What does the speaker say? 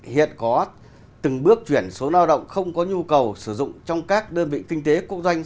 hiện có từng bước chuyển số lao động không có nhu cầu sử dụng trong các đơn vị kinh tế quốc doanh